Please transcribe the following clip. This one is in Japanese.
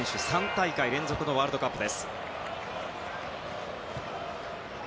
３大会連続のワールドカップ。